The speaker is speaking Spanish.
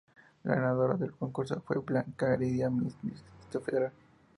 La ganadora del concurso fue Blanca Heredia, Miss Distrito Federal.